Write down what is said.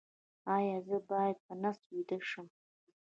ایا زه باید په نس ویده شم؟